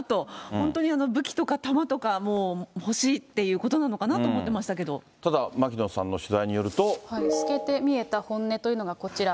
本当に武器とか弾とか、もう、欲しいっていうことなのかなと思っただ、牧野さんの取材による透けて見えた本音というのがこちら。